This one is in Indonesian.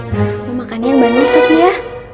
mak mau makan yang banyak tapi ya